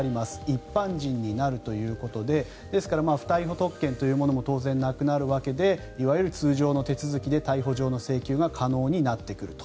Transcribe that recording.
一般人になるということでですから不逮捕特権というものも当然なくなるわけでいわゆる通常の手続きで逮捕状の請求が可能になってくると。